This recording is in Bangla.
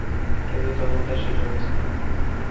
কিন্তু তখন তাঁর শেষ অবস্থা।